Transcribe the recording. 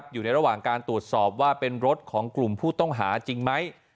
อยู่ในระหว่างการตรวจสอบว่าเป็นรถของกลุ่มผู้ต้องหาจริงไหม